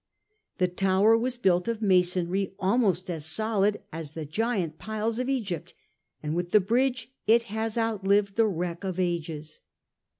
The tower was built of masonry almost as solid as the giant piles of Egypt, and with the bridge it has outlived the wreck of ages.